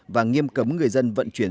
và nghiêm cấm người dân vận chuyển